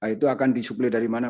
itu akan disuplai dari mana